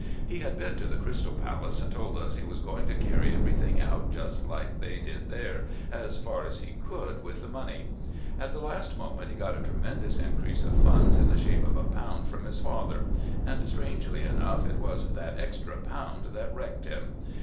He had been to the Crystal Palace, and told us he was going to carry everything out just like they did there, as far as he could with the money. At the last moment he got a tremendous increase of funds in the shape of a pound from his father; and, strangely enough, it was that extra pound that wrecked him.